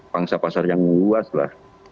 pangsa pasar yang luas lah